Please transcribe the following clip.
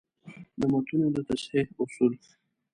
د متونو د تصحیح اصول: